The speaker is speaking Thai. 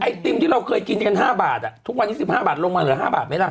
ติมที่เราเคยกินกัน๕บาททุกวันนี้๑๕บาทลงมาเหลือ๕บาทไหมล่ะ